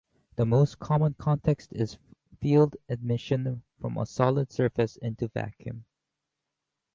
The most common context is field emission from a solid surface into vacuum.